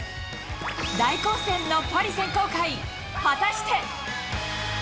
大混戦のパリ選考会、果たし